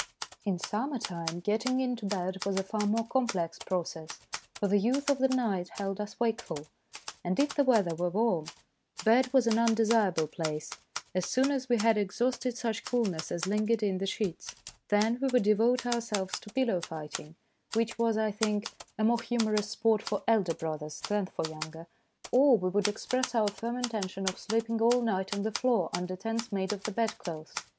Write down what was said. In summer time getting into bed was a far more complex process, for the youth of the night held us wakeful ; and if the weather were warm, bed was an undesirable place as soon as we had exhausted such coolness as lingered in the sheets. Then we would devote ourselves to pillow fighting, which was, I think, a more humorous sport for elder brothers than for younger, or we would express our firm intention of sleep ing all night on the floor under tents made of the bedclothes.